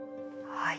はい。